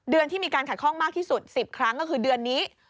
เดือนที่มีการขัดข้องมากที่สุด๑๐ครั้งก็คือเดือนนี้